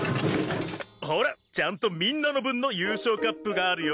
ほらちゃんとみんなの分の優勝カップがあるよ。